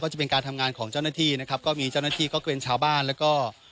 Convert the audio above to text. จะเป็นการทำงานของเจ้าหน้าที่นะครับก็มีเจ้าหน้าที่ก็เกรนชาวบ้านแล้วก็